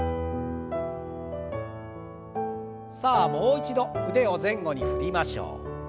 さあもう一度腕を前後に振りましょう。